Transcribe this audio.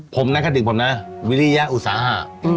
ผมนะคศิษย์ผมนะวิริยะอุตสาหะ